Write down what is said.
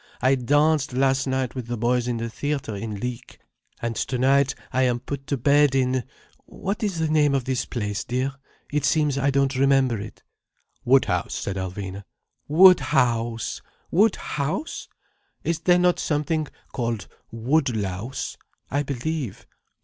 I danced last night with the boys in the theatre in Leek: and tonight I am put to bed in—what is the name of this place, dear?—It seems I don't remember it." "Woodhouse," said Alvina. "Woodhouse! Woodhouse! Is there not something called Woodlouse? I believe.